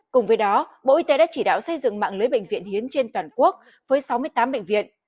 cùng với đó bộ y tế đã chỉ đạo xây dựng mạng lưới bệnh viện hiến trên toàn quốc với sáu mươi tám bệnh viện